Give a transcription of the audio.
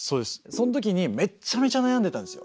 そのときにめっちゃめちゃ悩んでたんですよ。